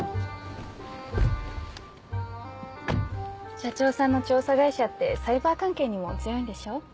社長さんの調査会社ってサイバー関係にもお強いんでしょう？